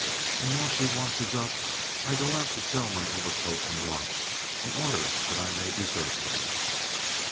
And while she washes up I go out, to sell my overcoat and watch in order that I may desert her.